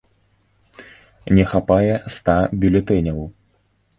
Не хапае ста бюлетэняў.